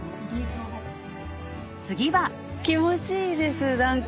次は気持ちいいです何か。